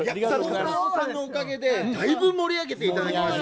孝太郎さんのおかげでだいぶ盛り上げていただきました。